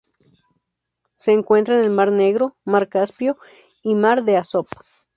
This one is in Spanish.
Se encuentra en el mar Negro, mar Caspio y mar de Azov.